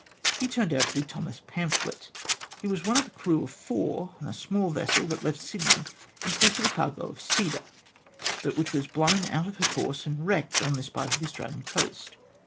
He turned out to be Thomas Pamphlet. He was one of a crew of four on a small vessel that left Sydney in quest of a cargo of cedar, but which was blown out of her course and wrecked on this part of the Australian coast.